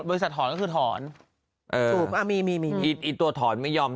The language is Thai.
บริษัทถอนก็คือถอนเอออ่ามีมีมีมีมีมีตัวถอนไม่ยอม